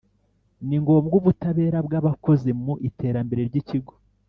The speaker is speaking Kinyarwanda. Ni ngombwa ubutabera bw’abakozi mu iterambere ry’Ikigo